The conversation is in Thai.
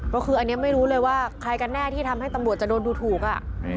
ก็คืออันนี้ไม่รู้เลยว่าใครกันแน่ที่ทำให้ตำรวจจะโดนดูถูก